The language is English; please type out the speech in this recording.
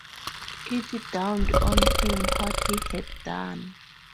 It dawned on him what he had done.